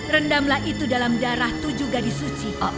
rendamlah itu dalam darah tujuh gadis suci